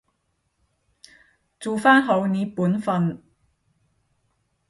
做返好你本分